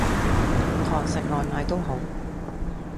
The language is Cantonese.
堂食外賣都好